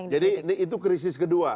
jadi itu krisis kedua